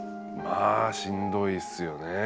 まあしんどいっすよね。